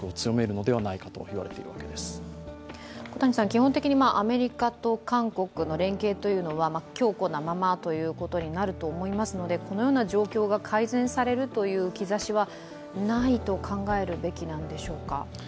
基本的にアメリカと韓国の連携というのは強固なままということになると思いますのでこのような状況が改善されるという兆しはないと考えるべきなんでしょうか？